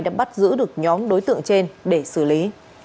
đã bắt giữ được nhóm đối tượng trên để xử lý